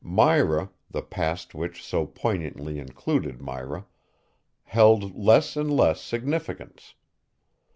Myra, the past which so poignantly included Myra, held less and less significance.